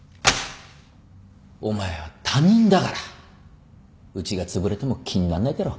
お前は他人だからうちがつぶれても気になんないだろ？